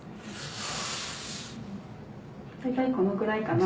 大体このぐらいかな。